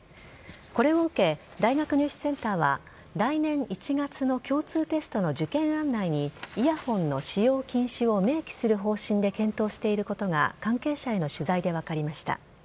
これを受け大学入試センターは来年１月の共通テストの受験案内にイヤホンの使用禁止を明記する方針で検討していることが関係者への取材で分かりました。